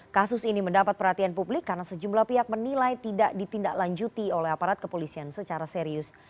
kasus ini mendapat perhatian publik karena sejumlah pihak menilai tidak ditindaklanjuti oleh aparat kepolisian secara serius